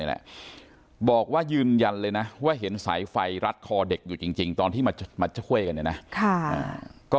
เห็นสายเสียบหม้อข้าวมัดคออยู่พันคอ